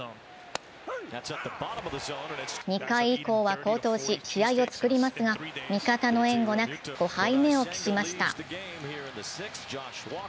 ２回以降は好投し、流れを作りますが味方の援護なく、５敗目を喫しました。